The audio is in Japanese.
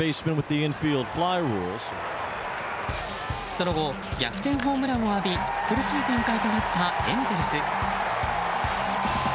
その後、逆転ホームランを浴び苦しい展開となったエンゼルス。